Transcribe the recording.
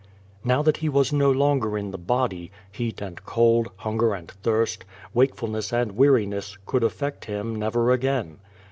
Now that he was no longer in the body, heat and cold, hunger and thirst, wakeful ness and weariness, could affect him never again.